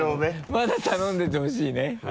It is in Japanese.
まだ頼んでてほしいね。